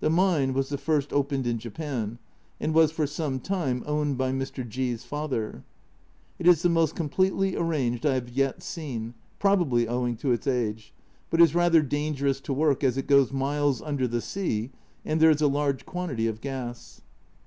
The mine was the first opened in Japan, and was for some time owned by Mr. G 's father; it is the most completely arranged I have yet seen, prob ably owing to its age, but is rather dangerous to work, as it goes miles under the sea, and there is a large quantity of gas.